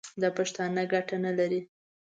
دا پښېماني گټه نه لري.